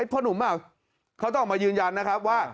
หนุ่มเขาต้องออกมายืนยันนะครับว่า